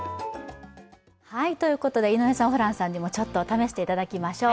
ということで井上さんホランさんにも試していただきましょう。